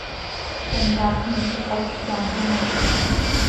Eenm haacni ocoho quih hehe án com an iyisxö.